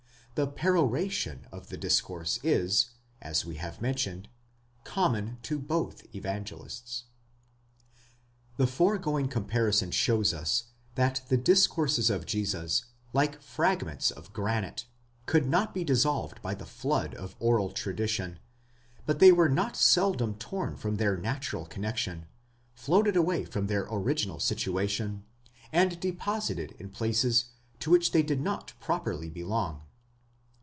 The peroration of the discourse is, as we have mentioned, common to both Evangelists. The foregoing comparison shows us that the discourses of Jesus, like frag ments of granite, could not be dissolved by the flood of oral tradition; but they were not seldom torn from their natural connexion, floated away from their original situation, and deposited in places to which they did not properly belong.